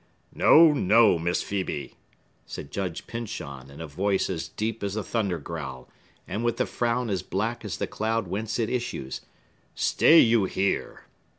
"No, no, Miss Phœbe!" said Judge Pyncheon in a voice as deep as a thunder growl, and with a frown as black as the cloud whence it issues. "Stay you here!